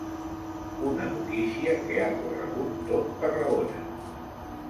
Una notícia que ha corregut tot Tarragona.